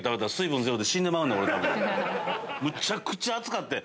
むちゃくちゃ暑かって。